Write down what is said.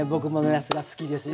なすが好きですよ。